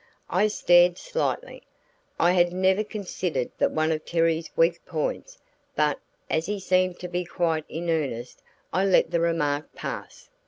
I stared slightly. I had never considered that one of Terry's weak points, but as he seemed to be quite in earnest, I let the remark pass.